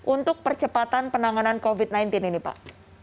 untuk percepatan penanganan covid sembilan belas ini pak